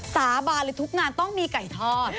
สาบานเลยทุกงานต้องมีไก่ทอด